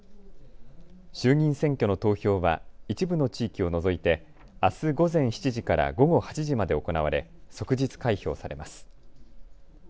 衆議院選挙の投票は一部の地域を除いて、あす午前７時から午後８時まで行われ即日開票されます。